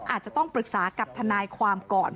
อาจจะต้องปรึกษากับทนายความก่อน